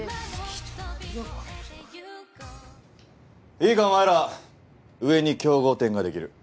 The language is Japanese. いいかお前ら上に競合店が出来る。